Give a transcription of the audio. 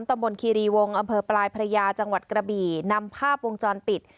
ตำบลคีรีวงอำเภอปลายพระยาจังหวัดกระบี่นำภาพวงจรปิด